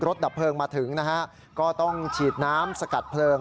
ดับเพลิงมาถึงนะฮะก็ต้องฉีดน้ำสกัดเพลิง